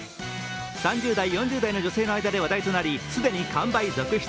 ３０代、４０代の女性の間で話題となり既に完売続出。